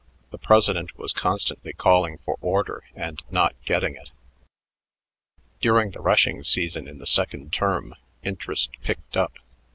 The president was constantly calling for order and not getting it. During the rushing season in the second term, interest picked up.